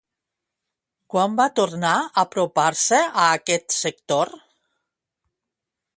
Quan va tornar a apropar-se a aquest sector?